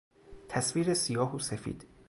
تصویر سیاه و سفید